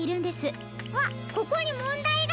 あっここにもんだいが。